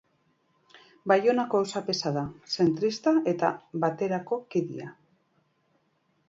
Baionako auzapeza da, zentrista eta Baterako kidea.